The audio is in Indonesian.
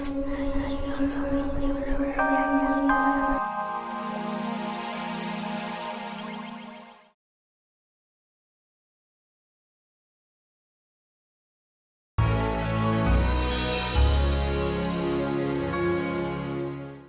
akan kubuat xz tide baru kesurang